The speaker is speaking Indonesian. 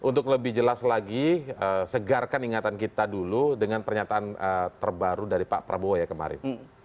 untuk lebih jelas lagi segarkan ingatan kita dulu dengan pernyataan terbaru dari pak prabowo ya kemarin